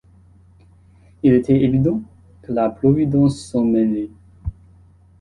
Il était évident que la providence s’en mêlait.